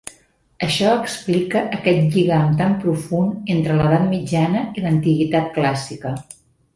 Això explica aquest lligam tan profund entre l'edat mitjana i l'antiguitat clàssica.